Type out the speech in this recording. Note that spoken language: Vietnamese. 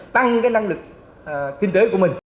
tăng cái năng lực kinh tế của mình